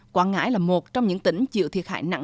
quảng ngãi là một trong những tỉnh chịu thiệt hại nặng